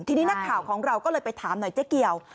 ทีนี้นักข่าวของเราก็เลยไปถามหน่อยเจ๊เกี่ยว